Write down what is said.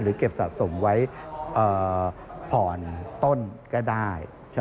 เก็บสะสมไว้ผ่อนต้นก็ได้